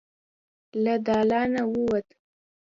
له دالانه ووت.